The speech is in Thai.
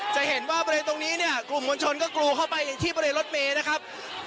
จะเห็นว่าบริเวณตรงนี้เนี่ยกลุ่มมวลชนก็กรูเข้าไปที่บริเวณรถเมย์นะครับ